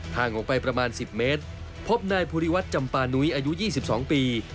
ห่างออกไปประมาณ๑๐เมตรพบนายภูริวัฒน์จำปานุ้ยอายุ๒๒ปี